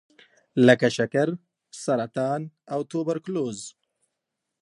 لکه شکر، سرطان او توبرکلوز.